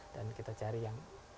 dan kita cari yang